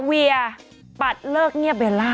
เวียปัดเลิกเงียบเบลล่า